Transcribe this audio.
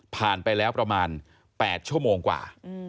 ไปแล้วประมาณ๘ชั่วโมงกว่า